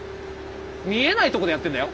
見えないとこでやってんだよ。